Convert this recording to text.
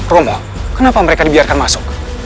romba kenapa mereka dibiarkan masuk